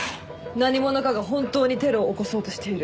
何者かが本当にテロを起こそうとしている。